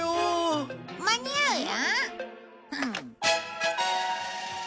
間に合うよ。